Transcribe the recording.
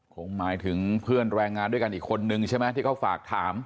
คงหมายถึงเพื่อนแรงงานด้วยกันอีกคนนึงใช่ไหมที่เขาฝากถาม